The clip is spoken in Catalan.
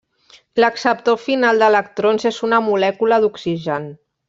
L'acceptor final d'electrons és una molècula d'oxigen.